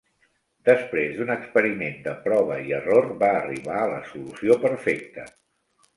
Després d'un experiment de prova i error, va arribar a la solució perfecta.